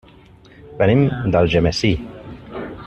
Venim d'Algemesí.